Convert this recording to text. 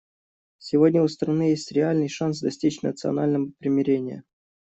Сегодня у страны есть реальный шанс достичь национального примирения.